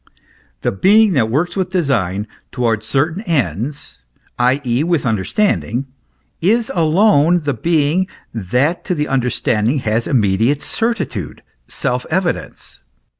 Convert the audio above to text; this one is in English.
The being that works with design, towards certain ends, i.e. with understanding, is alone the being that to the understanding has immediate certitude, self evidence.